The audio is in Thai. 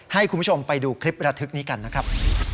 ให้คุณผู้ชมไปดูคลิประทึกนี้กันนะครับ